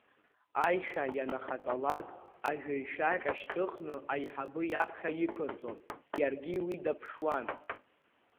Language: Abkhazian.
Аишәа ианахатәалак ажәыҩшәаҟьа шьҭыхны аиҳабы иаԥхьа иқәырҵон, иаргьы уи даԥшуан.